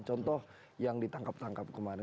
contoh yang ditangkap tangkap kemarin